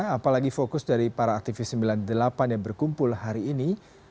apalagi fokus dari para aktivis sembilan puluh delapan yang berkumpul hari ini